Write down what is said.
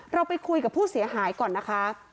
เราไปคุยกับผู้เสียหายก่อนนะคะ